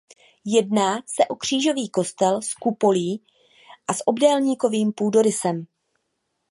Jedná se o křížový kostel s kupolí a s obdélníkovým půdorysem.